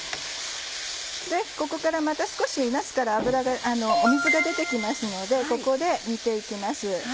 ここからまた少しなすから水が出て来ますのでここで煮て行きます。